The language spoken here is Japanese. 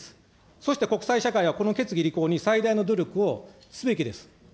そして国際社会はこの決議履行に最大の努力をすべきです。